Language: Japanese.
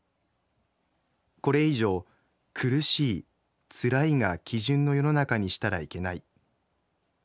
これ以上苦しいつらいが基準の世の中にしたらいけない。